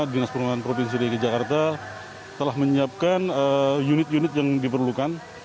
dinas perhubungan provinsi dki jakarta telah menyiapkan unit unit yang diperlukan